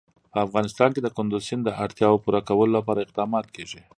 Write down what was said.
په افغانستان کې د کندز سیند د اړتیاوو پوره کولو لپاره اقدامات کېږي.